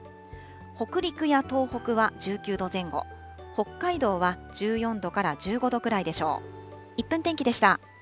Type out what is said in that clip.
北陸や東北は１９度前後、北海道は１４度から１５度くらいでしょう。